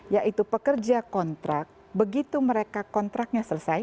yaitu pekerja kontrak begitu mereka kontraknya selesai